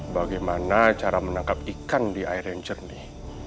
bagaimana cara menangkap ikan di air yang jernih